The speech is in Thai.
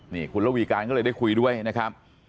นี่คุณระวีการก็เลยได้คุยด้วยนะครับ